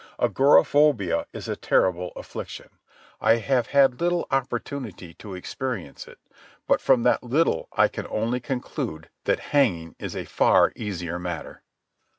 Agoraphobia is a terrible affliction. I have had little opportunity to experience it, but from that little I can only conclude that hanging is a far easier matter.